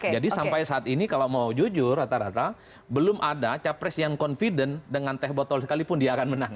jadi sampai saat ini kalau mau jujur rata rata belum ada capres yang confident dengan teh botol sekalipun dia akan menang